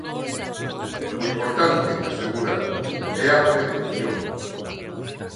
O importante, asegura, é a prevención.